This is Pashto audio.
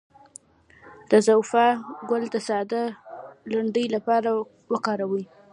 د زوفا ګل د ساه لنډۍ لپاره وکاروئ